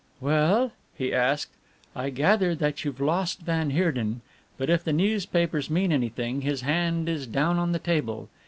"Well?" he asked, "I gather that you've lost van Heerden, but if the newspapers mean anything, his hand is down on the table.